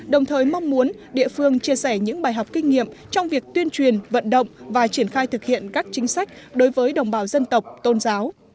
đồng thời mong muốn địa phương chia sẻ những bài học kinh nghiệm trong việc tuyên truyền vận động và triển khai thực hiện các chính sách đối với đồng bào dân tộc tôn giáo